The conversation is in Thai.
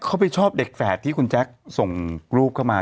เขาไปชอบเด็กแฝดที่คุณแจ๊คส่งรูปเข้ามา